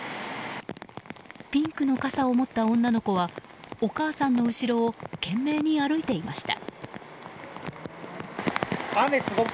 ピンクの傘を持った女の子はお母さんの後ろを懸命に歩いていました。